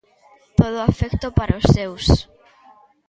Todo o afecto para os seus.